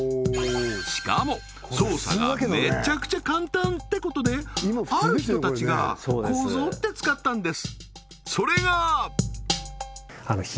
しかも操作がめちゃくちゃ簡単ってことである人たちがこぞって使ったんです